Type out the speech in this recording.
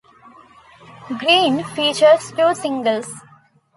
"Green" features two singles.